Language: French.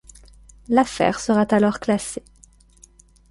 L'affaire sera alors classée.